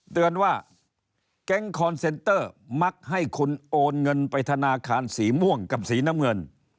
เตือนว่าแก๊งคอนเซนเตอร์มักให้คุณโอนเงินไปธนาคารสีม่วงกับสีน้ำเงิน